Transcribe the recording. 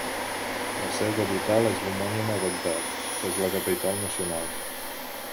La seva capital és l'homònima Bagdad, que és la capital nacional.